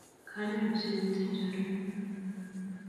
Kanyoru simet eng choruet